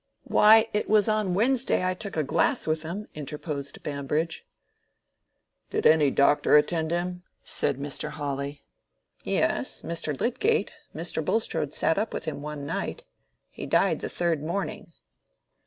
"Why, it was on Wednesday I took a glass with him," interposed Bambridge. "Did any doctor attend him?" said Mr. Hawley "Yes. Mr. Lydgate. Mr. Bulstrode sat up with him one night. He died the third morning."